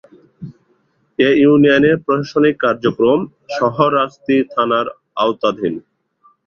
এ ইউনিয়নের প্রশাসনিক কার্যক্রম শাহরাস্তি থানার আওতাধীন।